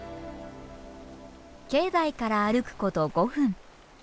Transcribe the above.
境内から歩くこと５分。